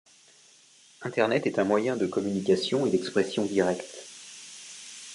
Internet est un moyen de communication et d'expression directe.